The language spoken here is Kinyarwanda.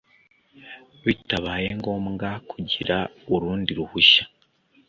bitabaye ngombwa kugira urundi ruhushya